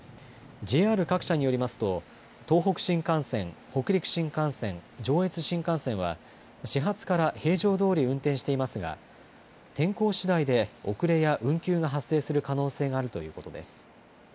ＪＲ各社によりますと東北新幹線、北陸新幹線、上越新幹線は始発から平常どおり運転していますが天候しだいで遅れや運休が発生する可能性があるということです。